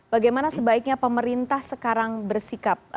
bagaimana sebaiknya pemerintah sekarang bersikap